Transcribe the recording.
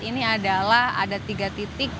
ini adalah ada tiga titik